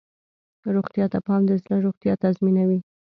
روغتیا ته پام د زړه روغتیا تضمینوي.